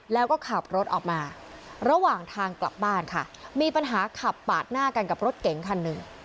แล้วก็ขับรถออกมาระหว่างทางกลับบ้านค่ะมีปัญหาขับปาดหน้ากันกับรถเก๋งคันหนึ่ง